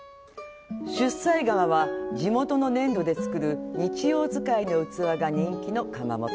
出西窯は、地元の粘土で作る日用使いの器が人気の窯元。